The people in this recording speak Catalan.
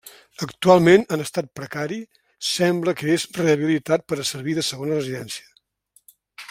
Actualment en estat precari, sembla que és rehabilitat per a servir de segona residència.